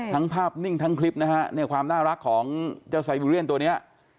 ทั้งภาพนิ่งทั้งคลิปความน่ารักของเจ้าไซวิเวียลตัวนี้